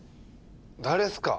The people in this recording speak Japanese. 誰っすか？